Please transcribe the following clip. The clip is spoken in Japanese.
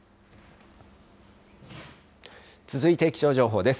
続いて気象情報です。